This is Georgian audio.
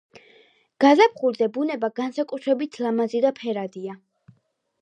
გაზაფხულზე ბუნება განსაკუთრებით ლამაზი და ფერადია.